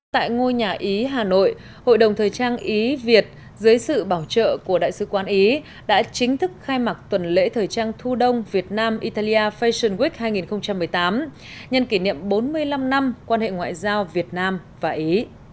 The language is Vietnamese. tại ngôi nhà ý hà nội hội đồng thời trang ý việt dưới sự bảo trợ của đại sứ quán ý đã chính thức khai mạc tuần lễ thời trang thu đông việt nam italia fashion wic hai nghìn một mươi tám nhân kỷ niệm bốn mươi năm năm quan hệ ngoại giao việt nam và ý